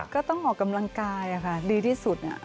ก็ต้องออกกำลังกายดีที่สุด